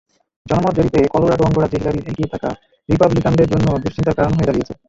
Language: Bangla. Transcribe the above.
জনমত জরিপে কলোরাডো অঙ্গরাজ্যে হিলারির এগিয়ে থাকা রিপাবলিকানদের জন্য দুশ্চিন্তার কারণ হয়ে দাঁড়িয়েছে।